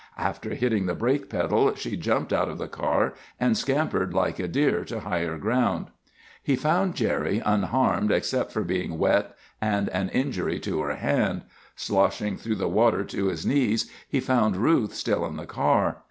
After hitting the brake pedal she'd jumped out of the car and scampered, like a deer, to higher ground. He found Gerry, unharmed, except for being wet and an injury to her hand. Sloshing through water to his knees, he found Ruth still in the car.